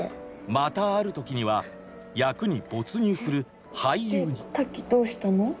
またある時には役に没入する俳優に。でたきどうしたの？